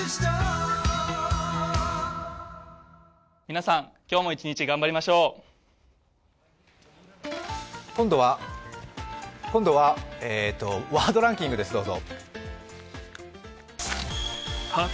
皆さん、今日も一日頑張りましょう今度はワードランキングです、どうぞ。